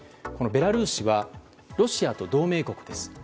ベラルーシはロシアと同盟国です。